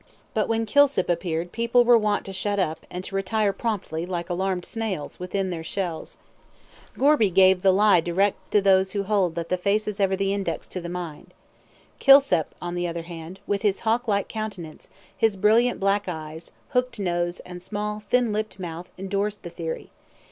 But when Kilsip appeared people were wont to shut up, and to retire promptly, like alarmed snails, within their shells. Gorby gave the lie direct to those who hold that the face is ever the index to the mind. Kilsip, on the other hand, with his hawk like countenance, his brilliant black eyes, hooked nose, and small thin lipped mouth, endorsed the theory.